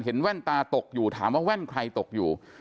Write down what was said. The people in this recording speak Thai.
แว่นตาตกอยู่ถามว่าแว่นใครตกอยู่